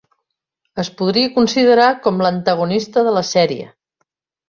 Es podria considerar com l'antagonista de la sèrie.